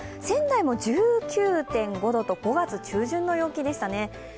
仙台も１９．５度と５月中旬の陽気でしたね。